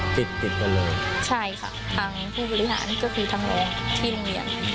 ติดติดกันเลยใช่ค่ะทางผู้บริหารก็คือทางโรงเรียนที่โรงเรียน